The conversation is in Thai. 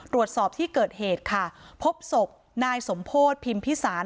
ตรวจสอบที่เกิดเหตุค่ะพบศพนายสมโพธิพิมพิสาร